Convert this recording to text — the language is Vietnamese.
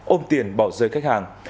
ôm tiền bỏ rơi khách hàng